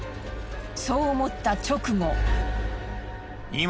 そう思った直後。